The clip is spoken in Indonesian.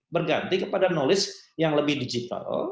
berganti kepada knowledge yang lebih digital